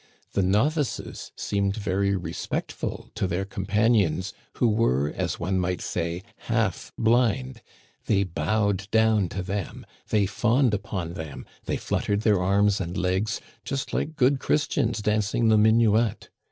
The novices seemed very respectful to their companions, who were, as one might say, half blind ; they bowed down to them, they fawned upon them, they fluttered their arms and legs, just like good Christians dancing the minuet.